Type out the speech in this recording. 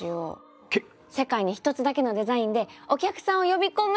世界に一つだけのデザインでお客さんを呼び込むみたいな。